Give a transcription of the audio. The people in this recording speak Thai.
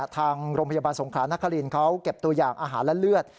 ทางโรงพยาบาลสงครานครินเขาเก็บตัวอย่างอาหารและเลือด